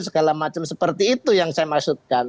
segala macam seperti itu yang saya maksudkan